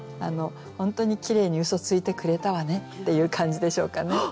本当にきれいに嘘ついてくれたわねっていう感じでしょうかね。